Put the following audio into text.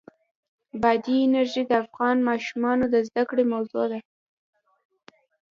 بادي انرژي د افغان ماشومانو د زده کړې موضوع ده.